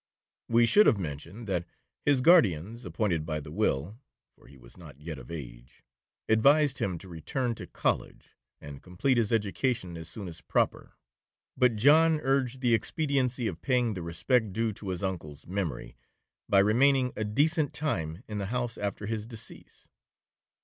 We should have mentioned, that his guardians appointed by the will (for he was not yet of age) advised him to return to College, and complete his education as soon as proper; but John urged the expediency of paying the respect due to his uncle's memory, by remaining a decent time in the house after his decease.